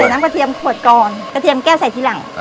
น้ำกระเทียมขวดก่อนกระเทียมแก้วใส่ทีหลัง